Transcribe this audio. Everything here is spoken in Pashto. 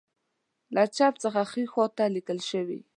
له چپ څخه ښی خواته لیکل کوي.